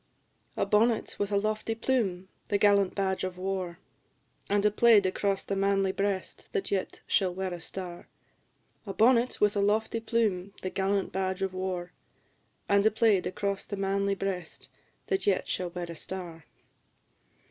"A bonnet with a lofty plume, the gallant badge of war, And a plaid across the manly breast that yet shall wear a star; A bonnet with a lofty plume, the gallant badge of war, And a plaid across the manly breast that yet shall wear a star."